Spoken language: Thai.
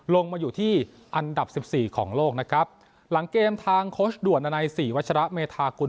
ลงมาอยู่ที่อันดับสิบสี่ของโลกนะครับหลังเกมทางโค้ชด่วนในสี่วัชระเมธากุล